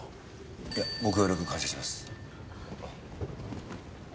ご協力感謝します。